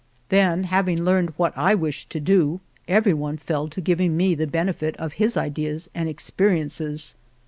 Then having learned what I wished to do, every % one fell to giving me the benefit of his ideas and experiences.